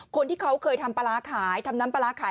คนที่เขาเคยทำปลาร้าขายทำน้ำปลาร้าขาย